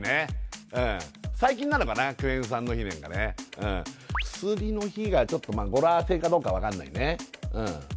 最近なのかなクエン酸の日なんかね薬の日がちょっと語呂合わせかどうかわかんないね